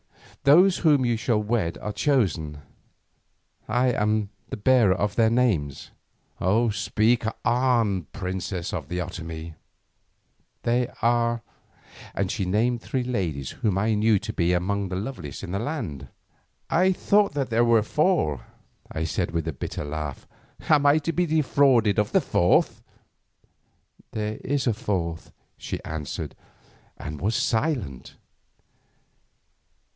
Those whom you shall wed are chosen. I am the bearer of their names." "Speak on, princess of the Otomie." "They are"—and she named three ladies whom I knew to be among the loveliest in the land. "I thought that there were four," I said with a bitter laugh. "Am I to be defrauded of the fourth?" "There is a fourth," she answered, and was silent.